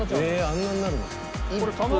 あんなになるの？